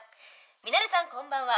「ミナレさんこんばんは。